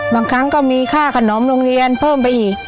บางครั้งก็มีค่าขนมโรงเรียนเพิ่มไปอีก